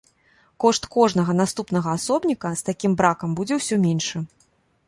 Кошт кожнага наступнага асобніка з такім бракам будзе ўсё меншы.